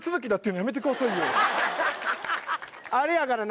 あれやからな。